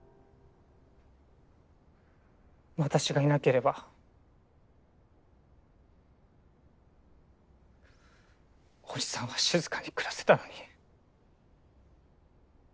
私がいなければ叔父さんは静かに暮らせたのに。